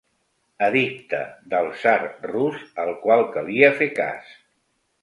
Edicte del tsar rus al qual calia fer cas.